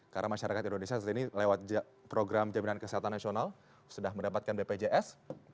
karena masyarakat indonesia saat ini lewat program jaminan kesehatan nasional sudah mendapatkan bpjs